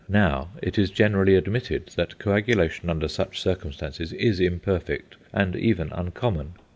Now, it is generally admitted that coagulation under such circumstances is imperfect and even uncommon.